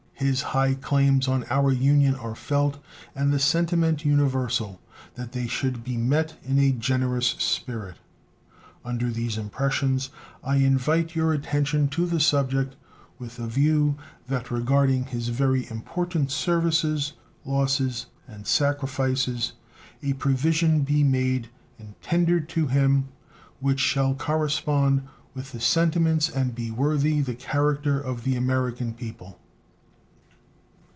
His high claims on our Union are felt, and the sentiment universal that they should be met in a generous spirit. Under these impressions I invite your attention to the subject, with a view that, regarding his very important services, losses, and sacrifices, a provision may be made and tendered to him which shall correspond with the sentiments and be worthy the character of the American people.